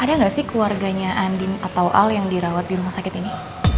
ada nggak sih keluarganya andin atau al yang dirawat di rumah sakit ini